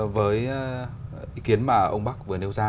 với ý kiến mà ông bắc vừa nêu ra